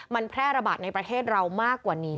มันแพร่ระบาดในประเทศเรามากกว่านี้